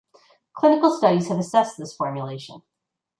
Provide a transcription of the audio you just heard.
Clinical studies have assessed this formulation.